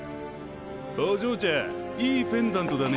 お嬢ちゃんいいペンダントだね。